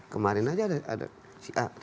kemarin aja ada si a